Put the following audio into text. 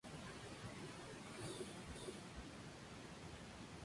Puede ser producido mediante la reacción del perclorato de sodio con cloruro de litio.